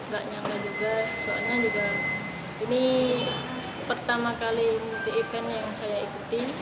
gak nyangka juga soalnya juga ini pertama kali multi event yang saya ikuti